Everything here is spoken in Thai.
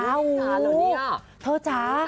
วีเจจ้าเหรอเนี่ยเธอจ้า